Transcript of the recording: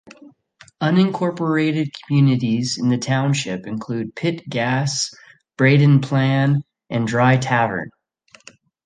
Unincorporated communities in the township include Pitt Gas, Braden Plan, and Dry Tavern.